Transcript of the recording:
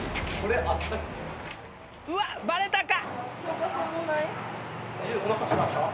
うわっバレたか！？